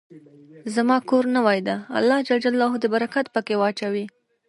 زما کور نوې ده، الله ج د برکت په کي واچوی